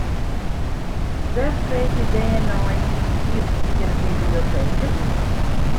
Wêr freegje bern nei yn iepenbiere biblioteken?